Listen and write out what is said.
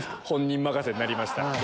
本人任せになりました。